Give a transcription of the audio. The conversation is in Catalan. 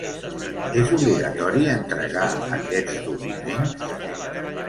És obligatori entregar aquests documents?